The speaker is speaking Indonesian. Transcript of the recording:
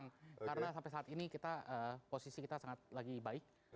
karena sampai saat ini posisi kita sangat lagi baik